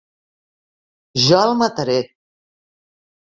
Jo el mataré!